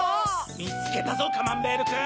みつけたぞカマンベールくん！